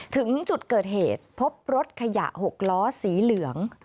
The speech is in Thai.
ถึงจุดเกิดเหตุพบรถขยะ๖ล้อสีเหลือง